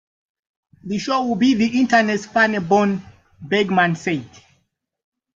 "The show will be the Internet's funny bone," Bergman said.